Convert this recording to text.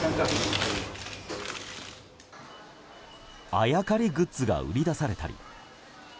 あやかりグッズが売り出されたり。